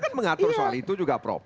mengatur soal itu juga prof